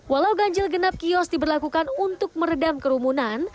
walau ganjil genap kios diberlakukan untuk meredam kerumunan